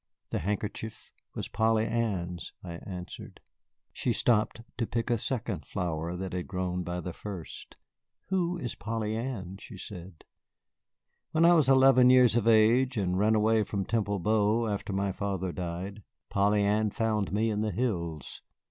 "The handkerchief was Polly Ann's," I answered. She stopped to pick a second flower that had grown by the first. "Who is Polly Ann?" she said. "When I was eleven years of age and ran away from Temple Bow after my father died, Polly Ann found me in the hills.